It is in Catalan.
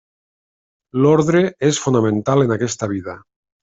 L'ordre és fonamental en aquesta vida.